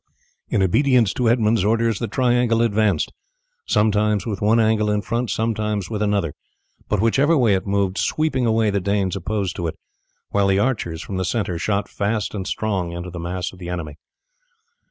In obedience to Edmund's orders the triangle advanced, sometimes with one angle in front, sometimes with another, but whichever way it moved sweeping away the Danes opposed to it, while the archers from the centre shot fast and strong into the mass of the enemy.